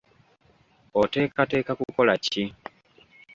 Oteekateeka kukola ki?